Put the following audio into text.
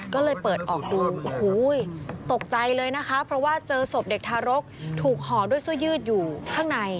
ก็เลยเปิดออกดูโอ้โหตกใจเลยนะคะเพราะว่าเจอศพเด็กทารกถูกห่อด้วยเสื้อยืดอยู่ข้างใน